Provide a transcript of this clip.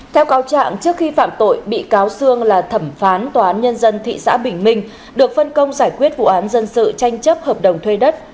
theo cáo trạng trước khi phạm tội bị cáo sương là thẩm phán tòa án nhân dân thị xã bình minh được phân công giải quyết vụ án dân sự tranh chấp hợp đồng thuê đất